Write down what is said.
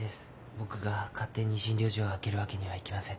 僕が勝手に診療所を空けるわけにはいきません。